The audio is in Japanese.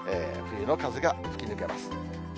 冬の風が吹き抜けます。